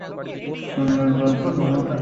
তোর নিজের দল বেছে নে।